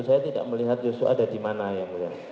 saya tidak melihat joshua ada dimana yang mulia